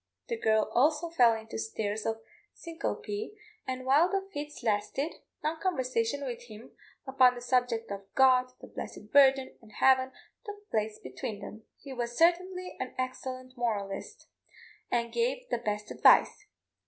The girl also fell into states of syncope, and while the fits lasted, long conversations with him upon the subject of God, the blessed Virgin, and Heaven, took place between them. He was certainly an excellent moralist, and gave the best advice.